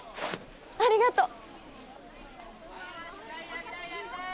ありがとう！